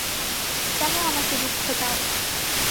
কেন আমাকে দুঃখ দাও।